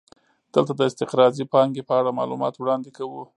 دلته د استقراضي پانګې په اړه معلومات وړاندې کوو